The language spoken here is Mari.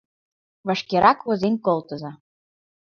Вашкерак возен колтыза.